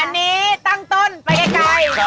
อันนี้ตั้งต้นไปไกล